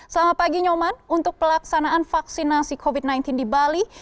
selamat pagi nyoman untuk pelaksanaan vaksinasi covid sembilan belas di bali